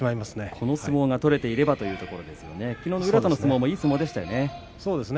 この相撲が取れていればというところで、きのうの宇良との相撲もよかったですね。